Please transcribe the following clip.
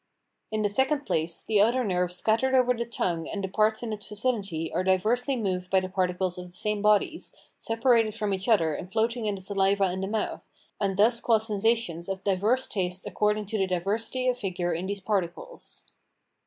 In the second place, the other nerves scattered over the tongue and the parts in its vicinity are diversely moved by the particles of the same bodies, separated from each other and floating in the saliva in the mouth, and thus cause sensations of diverse tastes according to the diversity of figure in these particles.